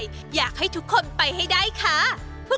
ก็จะเชิญชวนน้ำชมทางบ้านที่